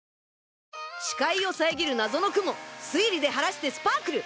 視界を遮る謎の雲推理で晴らしてスパークル！